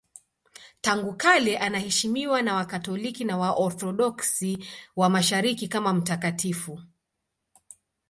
Tangu kale anaheshimiwa na Wakatoliki na Waorthodoksi wa Mashariki kama mtakatifu.